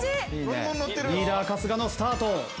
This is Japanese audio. リーダー春日のスタート。